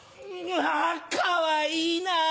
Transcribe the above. あぁかわいいな！